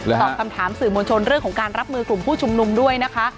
ตอบคำถามสื่อมวลชนเรื่องของการรับมือกลุ่มผู้ชุมนุมด้วยนะคะ